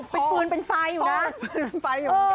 ไปฟื้นเป็นไฟอยู่นะ